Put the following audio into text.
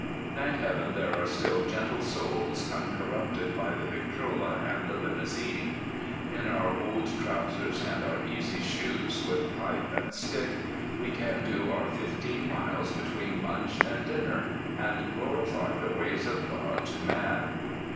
Thank heaven there are still gentle souls uncorrupted by the victrola and the limousine. In our old trousers and our easy shoes, with pipe and stick, we can do our fifteen miles between lunch and dinner, and glorify the ways of God to man.